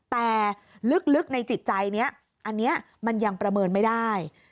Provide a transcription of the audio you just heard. แต่ลึกในจิตใจนี้อันนี้มันยังประเมินไม่ได้